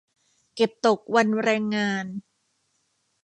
เก็บตกวันแรงงาน